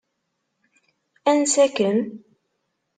Ansa-kem?